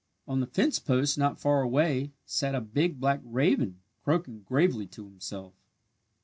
On the fence post, not far away, sat a big black raven croaking gravely to himself.